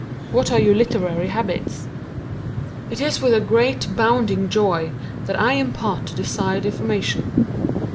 What are your literary habits?" It is with a great, bounding joy that I impart the desired information.